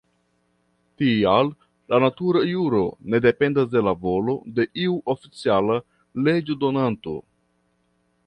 Tial la natura juro ne dependas de la volo de iu oficiala leĝodonanto.